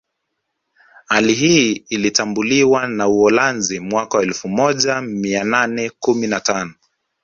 Hali hii ilitambuliwa na Uholanzi mwaka elfumoja mia nane kumi na tano